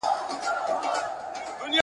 لمره نن تم سه نن به نه راخېژې ..